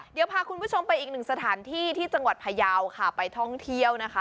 เดี๋ยวพาคุณผู้ชมไปอีกหนึ่งสถานที่ที่จังหวัดพยาวค่ะไปท่องเที่ยวนะคะ